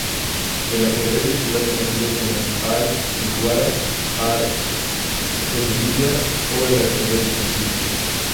El Ajedrez Circular conocido como "al-Muddawara", "ar-Rumiya", o "el ajedrez bizantino".